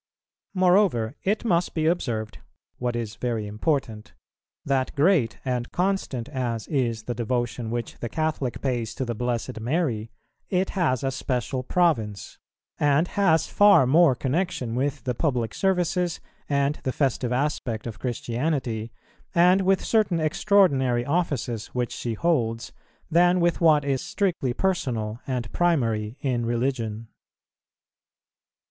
Moreover, it must be observed, what is very important, that great and constant as is the devotion which the Catholic pays to the Blessed Mary, it has a special province, and has far more connexion with the public services and the festive aspect of Christianity, and with certain extraordinary offices which she holds, than with what is strictly personal and primary in religion.